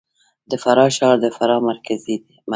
د فراه ښار د فراه مرکز دی